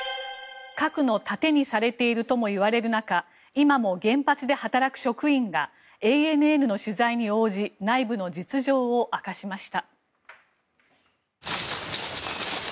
核の盾にされているともいわれる中今も原発で働く職員がＡＮＮの取材に応じ内部の実情を明かしました。